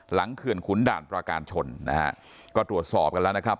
เขื่อนขุนด่านประการชนนะฮะก็ตรวจสอบกันแล้วนะครับ